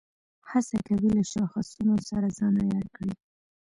هڅه کوي له شاخصونو سره ځان عیار کړي.